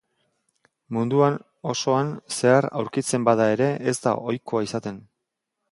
Munduan osoan zehar aurkitzen bada ere ez da ohikoa izaten.